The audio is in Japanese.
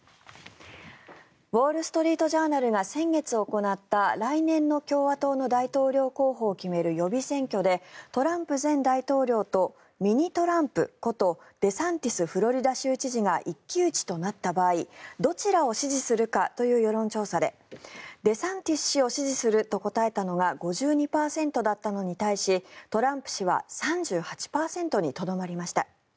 ウォール・ストリート・ジャーナルが先月行った来年の共和党の大統領候補を決める予備選挙でトランプ前大統領とミニトランプことデサンティスフロリダ州知事が一騎打ちとなった場合どちらを支持するかという世論調査でデサンティス氏を支持すると答えたのが５２％だったのに対しトランプ氏は３８％にとどまりました。